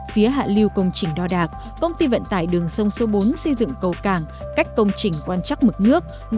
phía hạ lưu công trình đo đạc công ty vận tải đường sông số bốn xây dựng cầu cảng cách công trình quan trắc mực nước